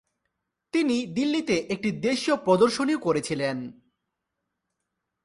তিনি দিল্লিতে একটি দেশীয় প্রদর্শনীও করেছিলেন।